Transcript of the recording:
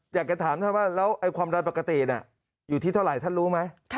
อยากจะถามเราความดันปกติเนี่ยอยู่ที่เท่าไรท่านรู้มั้ย